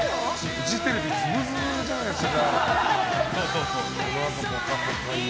フジテレビずぶずぶじゃないですか。